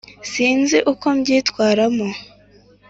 sinzi uko mbyitwaramo